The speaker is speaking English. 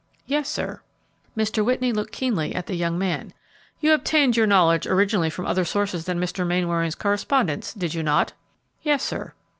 "Yes, sir." Mr. Whitney looked keenly at the young man. "You obtained your knowledge originally from other sources than Mr. Mainwaring's correspondence, did you not?" "Yes, sir."